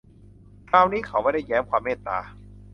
คราวนี้เขาไม่ได้แย้มความเมตตา